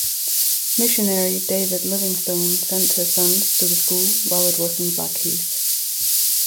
Missionary David Livingstone sent his sons to the school while it was in Blackheath.